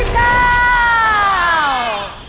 ๔๙บาท